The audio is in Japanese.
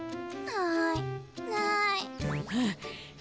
・ないない。